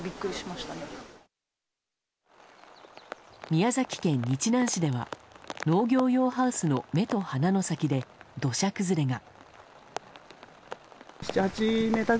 宮崎県日南市では農業用ハウスの目と鼻の先で土砂崩れが。